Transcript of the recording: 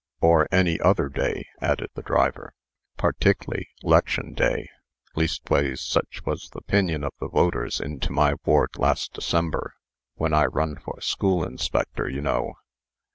"Or any other day," added the driver. "Partickley 'lection day. Leastways, such was the 'pinion of the voters into my ward, last December, when I run for School Inspector, you know.